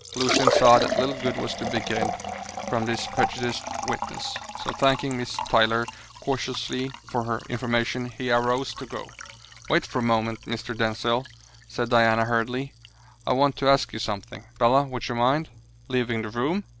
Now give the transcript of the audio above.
Lucian saw that little good was to be gained from this prejudiced witness, so thanking Miss Tyler courteously for her information, he arose to go. "Wait for a moment, Mr. Denzil," said Diana hurriedly. "I want to ask you something. Bella, would you mind " "Leaving the room?